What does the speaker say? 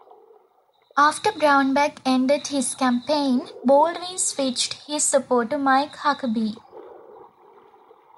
After Brownback ended his campaign, Baldwin switched his support to Mike Huckabee.